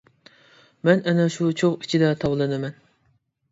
مەن ئەنە شۇ چوغ ئىچىدە تاۋلىنىمەن.